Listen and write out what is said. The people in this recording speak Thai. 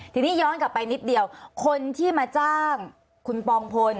ทีนี้ย้อนกลับไปนิดเดียวคนที่มาจ้างคุณปองพล